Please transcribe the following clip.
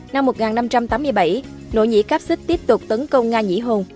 năm một nghìn năm trăm tám mươi bảy nỗ nhĩ cáp xích tiếp tục tấn công nga nhĩ hồn